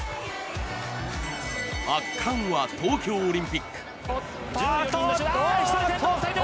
圧巻は東京オリンピック。